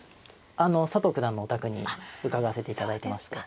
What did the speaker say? あの佐藤九段のお宅に伺わせていただいてまして。